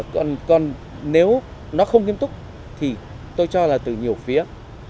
còn nếu nó không nghiêm túc thì tôi cho là từ nhiều phía